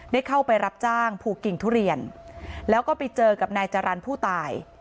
ได้เข้าไปรับจ้างภูกิ่งทุเรียนแล้วก็ไปเจอกับนายจรรย์ผู้ตาย